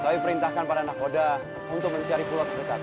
tapi perintahkan para nakoda untuk mencari pulau terdekat